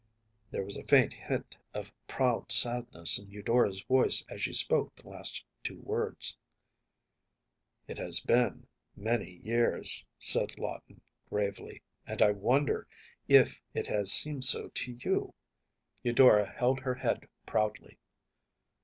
‚ÄĚ There was a faint hint of proud sadness in Eudora’s voice as she spoke the last two words. “It has been many years,‚ÄĚ said Lawton, gravely, “and I wonder if it has seemed so to you.‚ÄĚ Eudora held her head proudly.